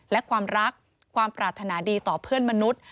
และความรักความปรารถนาดีต่อเพื่อนมนุษย์